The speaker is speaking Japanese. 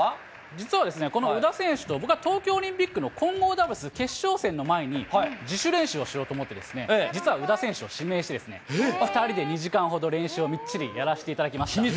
実はですね、この宇田選手と僕は東京オリンピックの混合ダブルスの決勝戦の前に、自主練習をしようと思って、実は宇田選手を指名して、２人で２時間ほど練習をみっちりやらせていただきました。